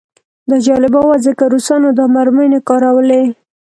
دا جالبه وه ځکه روسانو دا مرمۍ نه کارولې